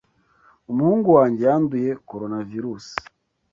Umuhungu wanjye yanduye Coronavirusi